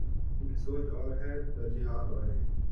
ان کی سوچ اور ہے، ترجیحات اور ہیں۔